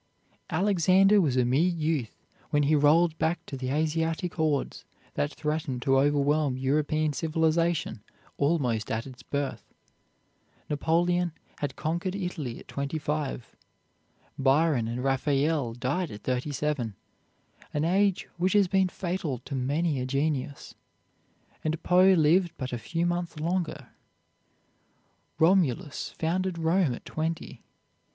Alexander was a mere youth when he rolled back the Asiatic hordes that threatened to overwhelm European civilization almost at its birth. Napoleon had conquered Italy at twenty five. Byron and Raphael died at thirty seven, an age which has been fatal to many a genius, and Poe lived but a few months longer. Romulus founded Rome at twenty.